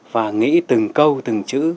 và nghĩ từng câu từng chữ